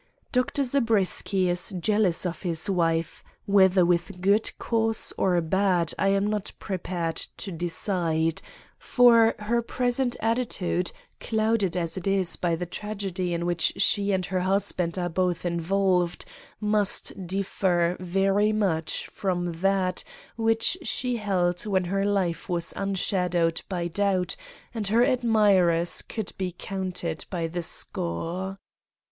Dr. Zabriskie is jealous of his wife: whether with good cause or bad I am not prepared to decide; for her present attitude, clouded as it is by the tragedy in which she and her husband are both involved, must differ very much from that which she held when her life was unshadowed by doubt, and her admirers could be counted by the score.